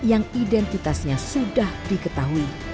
yang identitasnya sudah diketahui